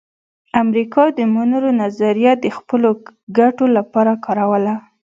امریکا د مونرو نظریه د خپلو ګټو لپاره کاروله